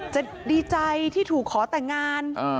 จะดีใจที่ถูกขอแต่งงาน